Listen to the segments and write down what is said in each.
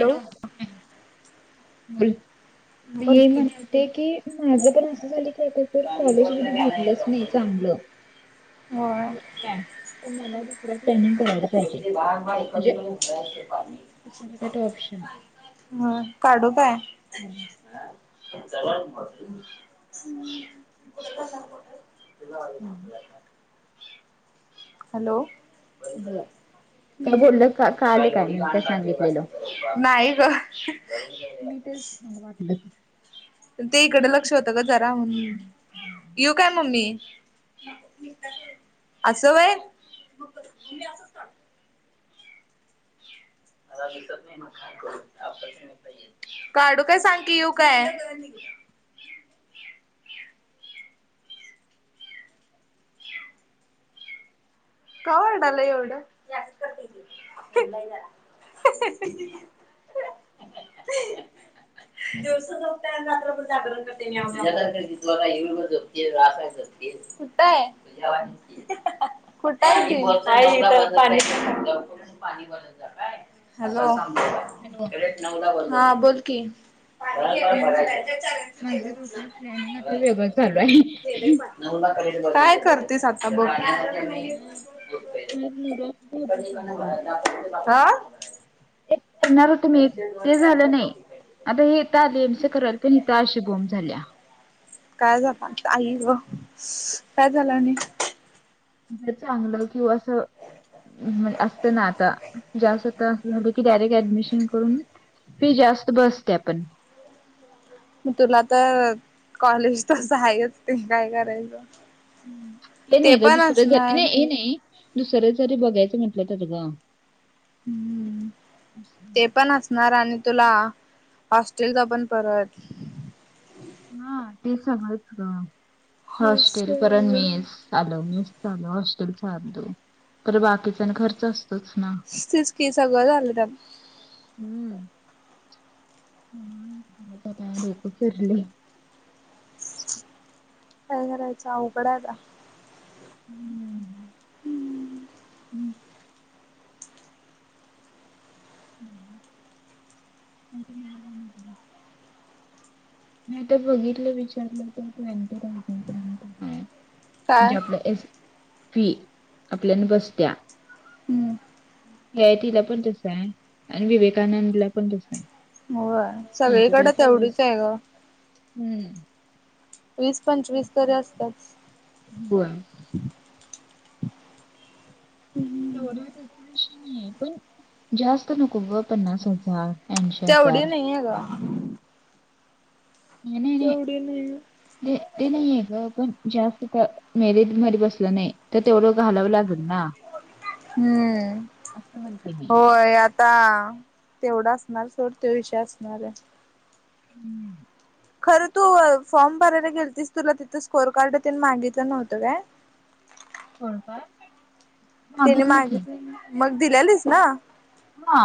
Hello बोल, मी बोल हे की म्हणते की माझ पण असं झालं की आता जर कॉलेजमध्ये भेटलंच नाही चांगलं. होय [unintelligible] प मला दुसर ट्रेनिंग करायला पाहिजे ते बा बा एादीपयाकार नाही [inaudible] त का ऑप्शन हम्म काढू काय हम् [unintelligible] [unintelligible] हॅलो हो काय हम् बोललं का कळालं काय मी काय सांगितलेलं [unintelligible] नाही ग मी ते च वाटलं ते मी इकडें लक्ष होतं ग जराून म्हटलं येऊ काय मम्मी असं वय त नाही काढू काय सांग की येऊ काय का ओरडालं एवढं [unintelligible] [unintelligible] दिवस जप रात्र त जपतील रासा जतील सुताय [inaudible] खुटय क पा हॅलो हा बोल कि पा मी त्यांच्या करवाय काय कर तेत्ता ब मी मुरत होती सारखा आा ते करणार हो तुम्ही एक ते झालं नाही आता हेता आलेमच्या करायला पण हता अशी बोब झाल्या काय झालं आ आई ग काय झालं आणि चांगलं किंवा असं म्हणजे असत ना आता जास्त अस झालं की डायरेक्ट ऍडमिशन करून फी जास्त बसते आपण मग तुला तर कॉलेज तच आहेच ते काय करायचं ते नाही ग पण दुसर्या झा असणार नाही हे नाही दुसरं जरी बघायचं म्हटलं तर ग हम्म ते पण असणार आणि तुला हॉस्टेल त पण परत हा ते सांगलच ग हॉस्टेल परणवेस चाल मीस चाल हॉस्टेल चालू तर बाकीचा आणि खर्च असत तच ना तेच की सगळं झालं त्यात हम्म हला पता लुक फरले काय करायचं अ उकडाता हम्म हम् हम् नाही म नाही आता बघितलं विचारलं तरत रा काय म्हणजे आपल्या एस पी आपल्यान बसत्या हम्म गयतीला पण तस आहे आणि विवेकानंदला पण तस आहे हो हा, तर आता सगळीकडे काय वीस तेवढीच आहे ग हम्म वीस पंचवीस तरी असतात ब हम्म तेवढ नाही पण जास्त नको ग पन्नास हजार अश तेवढी हजार नाही आहे ग. नाही एवढी नाही ते ते नाहीये ग पण जास्त का मेरी मरी बसलं नाही तर तेवढं घालावं लागेल ना हम्म असं म्हणते मी हो आ ता तेवढा असणार सोडते विषय असणार आहे हम्म खरं तू फॉर्म भरायला गेलतीस तुला तिथं स्कोर कार्ड त मागितलं नव्हतं काय कोण का त्याने मागे मग दिलेलीस ना हा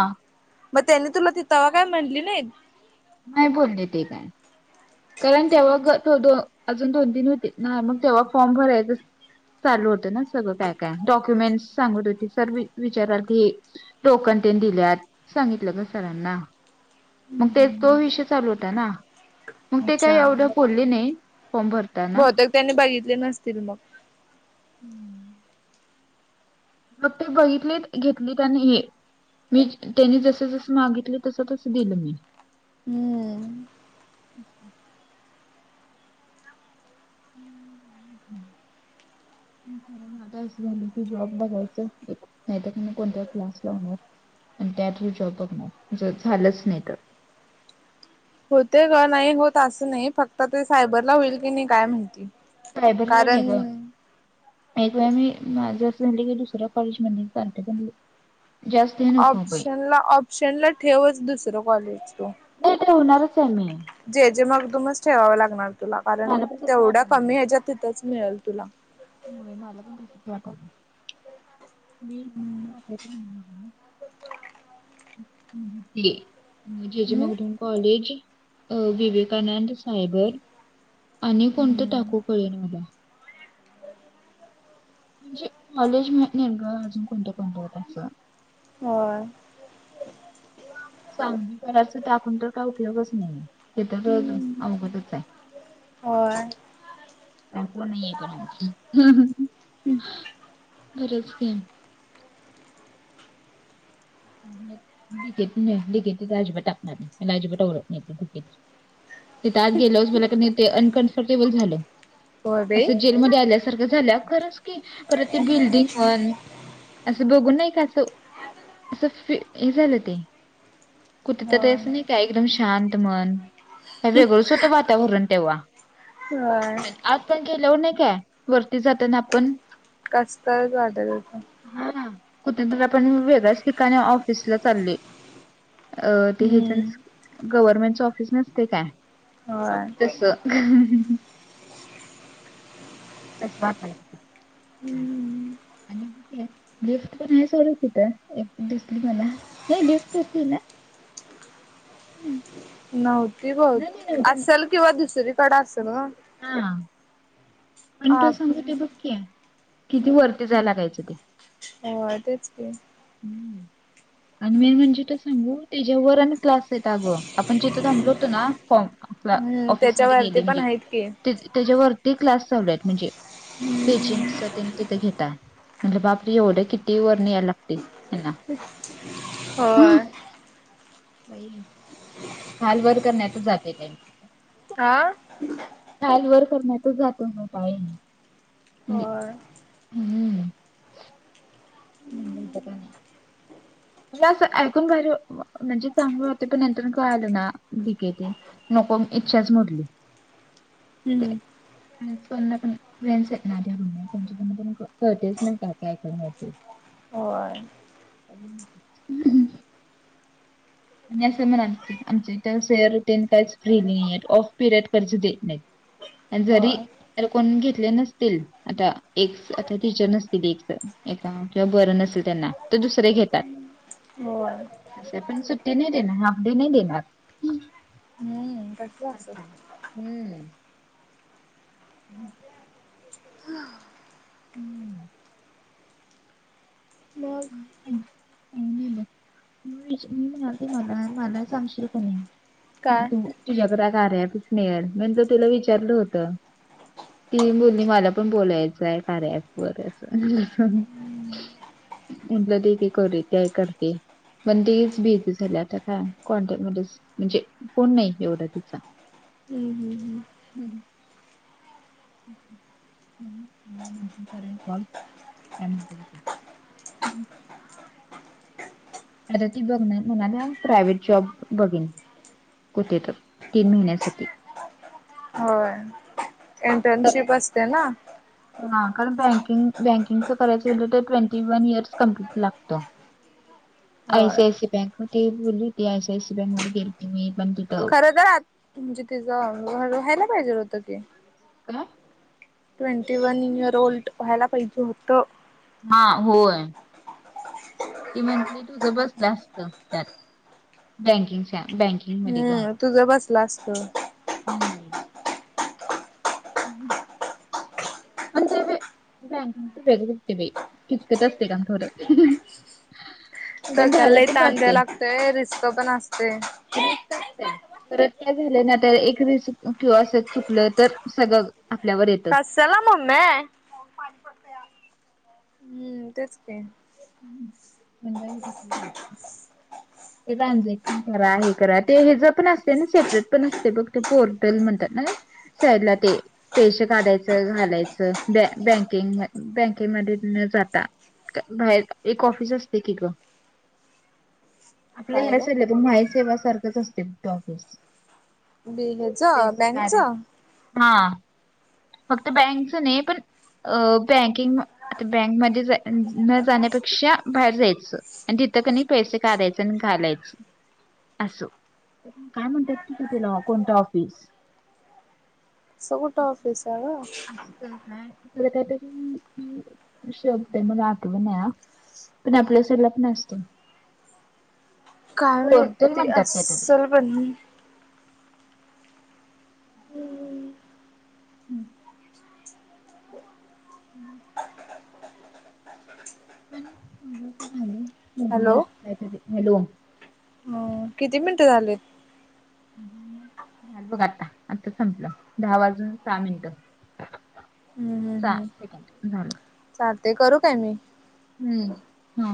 मग त्यांनी तुला ति तवा काय म्हणली नाही नाही बोलली ते काय कारण तेव्हा दो अजून दोन तीन होते नाही मग तेव्हा फॉर्म भरायचं चालू होत ना सगळं पॅक डॉक्युमेंट्स सांगत होते सर् विचारल क टोकन त्यां दिल्यात सांगितलं का सरांना मग ते तो विषय चालू होता ना मग ते काही अच्छा. एवढं फोलले नाही फॉर्म भरताना बहुतेक त्यांनी बघितले नसतील मग हम्म मग ते बघितली घेतली त्यांनी हे मी त्यांनी जस जसं मागितलं तस तस दिलं मी हम्म. हम्म ब र आता असं झालं की जॉब बघायचं एकटक कोणत्या क्लासला होणार आणि त्या ्रू ज बघणार ज झालंच नाही तर होते ग नाही होत असं नाही फक्त ते सायबरला होईल की नाही काय माहिती प्रयबरीला नाहीघ कारण एक वेळा मी माझ झाली की दुसऱ्या कॉलेज मध्ये चालते पणत ऑप्शन ला ऑप्शन ला ठेवच दुसरं कॉलेज तू नाही ते होणारच आहे मी जे जे मगदमच ठेवावे लागणार तुला कारण मला पण तसं तेवढ्या वाटायला कमी ह्याच्या तिथंच मिळेल तुला मुळे मला पण त्यास मी [inaudible] हम्म जेचेे मगडन कॉलेज अ विवेकानंद सायबर आणि कोणतं हम्म टाकू पळेल मला म्हणजे कॉलेज म्हल ग अजून कोणत्या कोणतत असं हो साम्य कराच टाकून तर का उठलगच नाही हे तर अवगतच आहे हो अ नाही आहेे पण गरच घेम राजीबाट टाकणार नाही राजीपाट ओरत नाही तेत गेल बला ते अनकमफर्टेबल झालं होय बाई अस आल्यासारख झाल्या खरच की परत ते बिल्डिंग वण असं बघून नाही का असं अस फ हे झालं ते कुठ तरं होय नाही का एकदम शांत मन वेगळंच होतं वातावरण तेव्हा होय आज पण गेल्यावर नाही काय वरती जाताना आपण कस्तच वाडरेत हा कुठंतरी आपण वेगळ्याच ठिकाणी ऑफिसला चालले अ ते हेच हम्म नस, गव्हर्नमेंटच ऑफिस नसतय काय? होय. तसं. [unintelligible] तस वाटायल ती. हम्म [unintelligible] आणि ब लिफ्ट पण आहे सोडू तिथं. दिसली मला. नाही लिफ्ट होती ना? नव्हती होत. नाही नाही नव्हती नाही असेल किंवा दुसरीकडे असेल गं. दुसरी हा. [unintelligible] ते आपण बघ की, किती वरती जाय लागायचं ते. होय, तेच की. हम्म. आणि मेन म्हणजे त सांगू? त्याज्यावर आणि क्लासय अगं. आपण जिथं थांबलो होतो ना. फॉर्म आपला हम्, त्याच्यावरती पण हाईत की. ती त्याच्यावरती क्लास चालूयत. म्हणजे [unintelligible] तिथे घेता. म्हणजे बाप रे! एवढे किती वरणं यायला लागते, त्यांना. [inaudible] होय. बाई! खाल- वर करण्यात जाते त्यां आं. खाल -वर करण्यातच जातो ना टाईम. होय [unintelligible] हम्म. मनलं, येतं का नाही? मंजे असं ऐकून भारी घ म्हणजे चांगलं होते, पण नंतर कळालं ना, बिके ते नको. इच्छाच मोडली. हम्. फ्रेंडस पण फ्रेंड्स आहेत ना [unintelligible] त्यांच्याक पण कळतेच नाही का काय [unintelligible] होय. [unintelligible] आणि असं म्हण आम आमच्या इथ, सरटन काहीच फ्री नाही. ऑफ पिरियड पण असं देत नाहीत. जरी होय तर कोण घेतले नसतील, आता एक आता टीचर नसतील एकजन एका किंवा बरं नसेल त्यांना. तर दुसरे घेतात. होय पण सुट ते नाही देणार, हाफ- डे नाही देणार. ह [unintelligible] अस. असं आहे. हम्म. [unintelligible] हम्म. मग [unintelligible] मी म्हणालते मला, मला सांगशील का नाही? काय [unintelligible] तुझ्याकड आता [unintelligible] म त तुला विचारलं होत. ती बोलली, मला पण बोलायचंय. कार्या ॲप वरच. [unintelligible] म्हटलं देती [unintelligible] त्याय करते. पण तेच बीजी झाली आता काय. कॉन्टॅक्टमध्ये. म्हणजे कोण नाही, एवढा तिचा. हम्म, हम्म, हम्. [unintelligible] [unintelligible] आता ती बघणार म्हणाल्या. प्रायव्हेट जॉब बघेन. कुठे तर, तीन महिन्यांसाठी. होय. [inaudible] इंटर्नशिप असते ना. हा, कारण बँकिंग, बँकिंगचं करायचं मनलं तर, ट्वेंटी वन इयर्स कमप्लीट लागतं. आय होय सि आय सी बँक होती. बोलली ती, आय सी आय सी बँकमध्ये गेलती मी तिथं. [unintelligible] म्हणजे तिचं घ व्हायला पाहिजे होतं ती. क ट्वेंटी वन इयर ओल्ड व्हायला पाहिजे होतं हा होय ती म्हटली तुझं बसलं असत त्यात बँकिंगच्या बँकिंगमध्येध्ये, ह तुझा बसला असत. हम्म हम् बँक म बेगते बा किचकिट असते कावरे, ह घरकालाही तांद्याय लागतेय रिस्क पण असते. रेस्क असत्या, परत काय झालं ना एक दिस किंवा असं चुकलं तर सगळं आपल्यावर येत सलाममे हम्म तेच काय बंगाई क, ते ट्रान्झॅक्शन करा हे करा ते ह्याचा पण असते ना सेपरेट पण असते बघ ते पोर्टल म्हणतात ना, सला ते, पैश काढायचं घालायचं बँकिंग बँकेंग म न जाता. बाहेर एक ऑफिस असते की ग आपल्या काय ह ग स पण माझ सेवा सारखंच असते ऑफिस, बी हेच च बँकच हा, फक्त बँकच नाही पण, अ बँकिंग आता बँकमध्येध्ये न जाण्यापेक्षा बाहेर जायचं, आणि तिथं क नाही पैसे काढायचे आणि घालायचं, असो तर काय म्हणतात तिथ तला कोणतं ऑफिस सगोट अऑफिस आहे ग ह तला कायता क क शबद मंग क बनाया, पण आपल्या सरला पण असतो. काय आहेत पोर्टल ते म्हणतात काहीतरी असल पण, ह, हम्म हम् पण माझ झा हॅलो काहीतरी हॅलो, किती मिनिटं झालेत. हम् बघ आता आता संपलं दहा वाजून सहा मिनिट, सेक झा चाल ते करू काय मी, हम्म हा,